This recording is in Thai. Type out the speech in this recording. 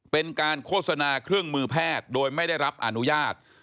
เป็นการโฆษณาเครื่องมือแพทย์โดยไม่ได้รับอนุญาต